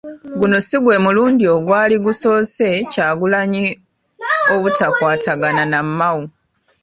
Guno si gwe mulundi ogwali gusoose Kyagulanyi obutakwatagana na Mao.